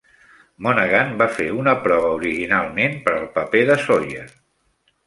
Monaghan va fer una prova originalment per al paper de Sawyer.